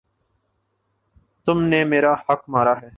تم نے میرا حق مارا ہے